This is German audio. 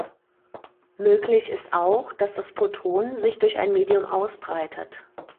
Möglich ist auch, dass das Photon sich durch ein Medium ausbreitet.